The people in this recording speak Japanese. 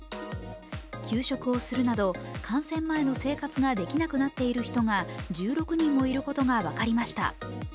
休職をするなど感染前の生活ができなくなっている人が１６人もいることが分かりました。